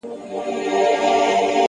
o زه نو بيا څنگه مخ در واړومه،